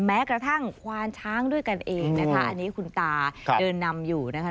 แม้กระทั่งควานช้างด้วยกันเองนะคะอันนี้คุณตาเดินนำอยู่นะคะ